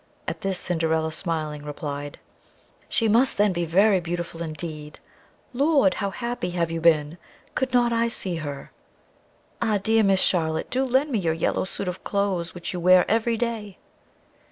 At this Cinderilla, smiling, replied: "She must then be very beautiful indeed; Lord! how happy have you been; could not I see her? Ah! dear Miss Charlotte, do lend me your yellow suit of cloaths which you wear every day!"